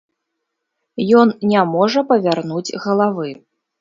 Ён не можа павярнуць галавы.